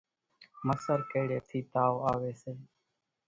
مسر ڪيڙيئيَ ٿِي تاوَ آويَ سي۔